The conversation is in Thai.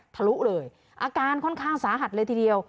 ทะลุเลยอาการค่อนข้างสาหัสเลยทีเดียว